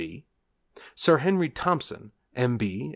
D., C.B. Sir Henry Thompson, M.